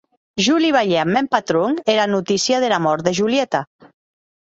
Jo li balhè ath mèn patron era notícia dera mòrt de Julieta.